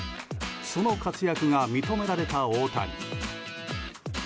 その活躍が認められた大谷。